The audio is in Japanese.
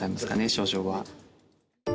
症状は。